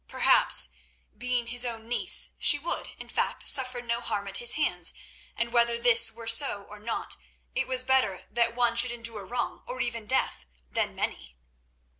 Perhaps, being his own niece, she would, in fact, suffer no harm at his hands, and whether this were so or not, it was better that one should endure wrong, or even death, than many.